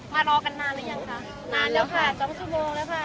มารอกันนานแล้วยังคะนานแล้วค่ะจำชุมโองเลยค่ะ